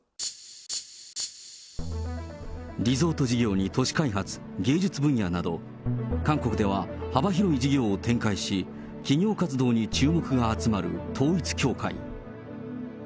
リゾート事業に都市開発、芸術分野など、韓国では幅広い事業を展開し、企業活動に注目が集まる統一教会。